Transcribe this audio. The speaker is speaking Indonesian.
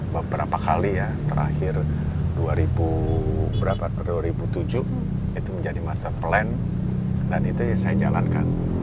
beberapa kali ya terakhir dua ribu tujuh itu menjadi masa plan dan itu saya jalankan